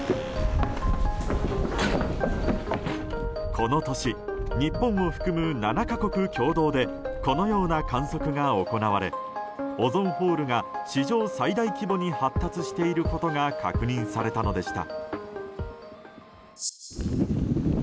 この年日本を含む７か国共同でこのような観測が行われオゾンホールが史上最大規模に発達されていることが確認されたのでした。